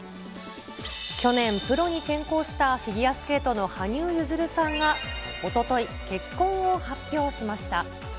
去年、プロに転向したフィギュアスケートの羽生結弦さんが、おととい、結婚を発表しました。